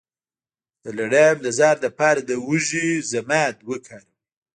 د لړم د زهر لپاره د هوږې ضماد وکاروئ